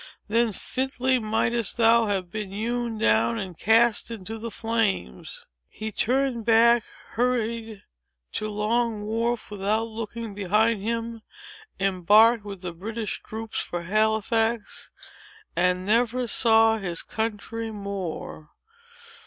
Then fitly mightest thou have been hewn down, and cast into the flames." He turned back, hurried to Long Wharf without looking behind him, embarked with the British troops for Halifax, and never saw his country more.